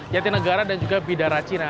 jatinegara dan juga bidara cina